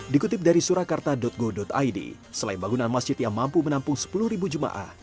dikutip dari surakarta go id selain bangunan masjid yang mampu menampung sepuluh jemaah